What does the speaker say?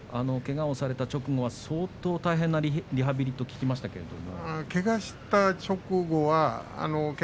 けがをされた直後は相当大変なリハビリと聞きましたけれども。